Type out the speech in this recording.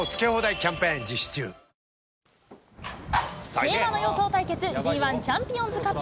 競馬の予想対決、Ｇ１チャンピオンズカップ。